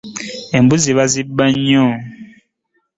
Embuzi bazibba nnyo.